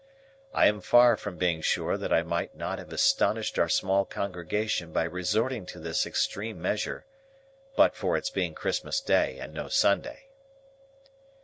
I am far from being sure that I might not have astonished our small congregation by resorting to this extreme measure, but for its being Christmas Day and no Sunday.